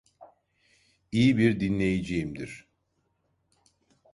İyi bir dinleyiciyimdir.